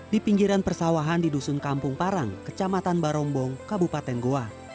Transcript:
di pinggiran persawahan di dusun kampung parang kecamatan barombong kabupaten goa